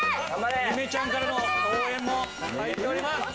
ゆめちゃんからの応援も入っております。